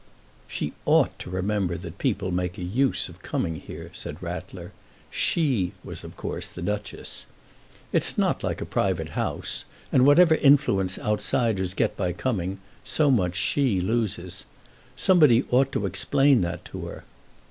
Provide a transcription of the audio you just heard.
"She ought to remember that people make a use of coming here," said Rattler. She was, of course, the Duchess. "It's not like a private house. And whatever influence outsiders get by coming, so much she loses. Somebody ought to explain that to her."